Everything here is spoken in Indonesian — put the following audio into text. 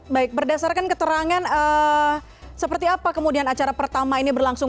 baik berdasarkan keterangan seperti apa kemudian acara pertama ini berlangsung